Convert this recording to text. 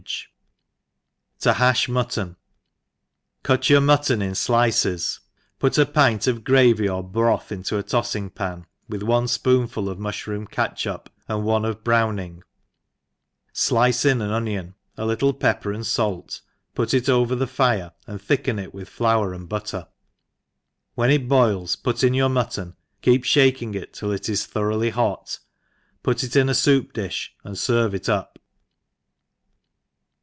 ENGLISH HOUSE KEEPE^R. 73 To hajh MtJTTONt CUT your mutton in dices, put a pint of gravy or brbth into a toffing pan^ with one fpOonful of mufhropm catchup, and one of browning, flice in an onion, a little pepper and fait, put it over the fire, and thicken it with flour and butter; when it boils put in your mut« ton, keep (haking it till it is thoroughly hot^ put it in a foup diih and ferve it up.